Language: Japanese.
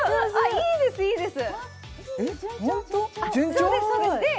いいですいいです・